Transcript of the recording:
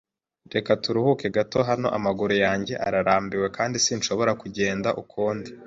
Reka turuhuke gato hano. Amaguru yanjye ararambiwe kandi sinshobora kugenda ukundi.